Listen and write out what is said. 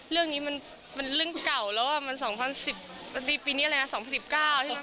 เรื่องนี้มันเรื่องเก่าแล้วปีนี้๒๐๑๙ใช่ไหม